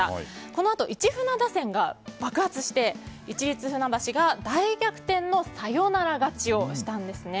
このあと市船打線が爆発して市立船橋が大逆転のサヨナラ勝ちをしたんですね。